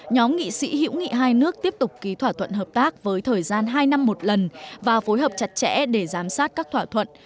nhóm nghị sĩ hữu nghị hai nước tiếp tục ký thỏa thuận hợp tác với thời gian hai năm một lần và phối hợp chặt chẽ để giám sát các thỏa thuận